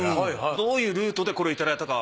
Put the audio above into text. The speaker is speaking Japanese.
どういうルートでこれを頂いたか。